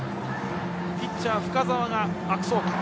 ピッチャー、深沢が悪送球。